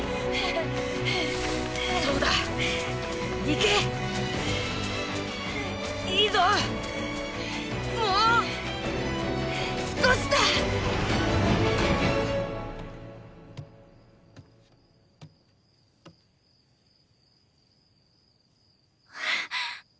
行けいいぞもう少しだ！あっ！